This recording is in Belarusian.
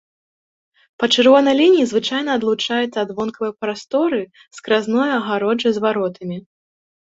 Па чырвонай лініі звычайна адлучаецца ад вонкавай прасторы скразной агароджай з варотамі.